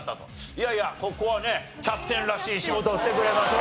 いやいやここはねキャプテンらしい仕事をしてくれました。